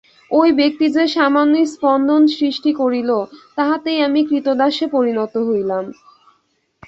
ঐ ব্যক্তি যে সামান্য স্পন্দন সৃষ্টি করিল, তাহাতেই আমি ক্রীতদাসে পরিণত হইলাম।